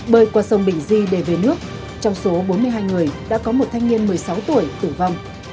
bơi qua sông bình di để về nước trong số bốn mươi hai người đã có một thanh niên một mươi sáu tuổi tử vong